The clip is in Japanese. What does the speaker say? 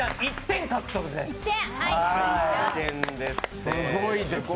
１点獲得です。